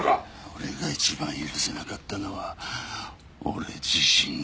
俺が一番許せなかったのは俺自身だ。